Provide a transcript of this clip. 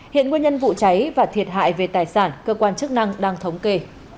hiện nguyên nhân vụ cháy và thiệt hại về tài sản cơ quan chức năng đang thống kê